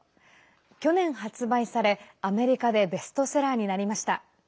去年発売され、アメリカでベストセラーになりました。